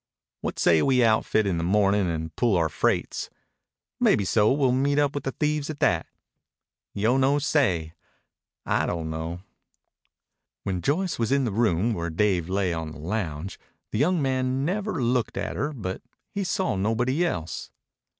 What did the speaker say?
What say we outfit in the mornin' and pull our freights? Maybeso we'll meet up with the thieves at that. Yo no se (I don't know)." When Joyce was in the room where Dave lay on the lounge, the young man never looked at her, but he saw nobody else.